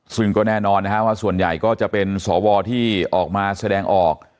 ซึ่งก็แน่นอนนะฮะว่าส่วนใหญ่ก็จะเป็นสวที่ออกมาแสดงออก